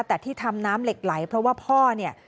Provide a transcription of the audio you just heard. แต่ที่ทำน้ำเหล็กไหลเพราะว่าพ่อเนี่ย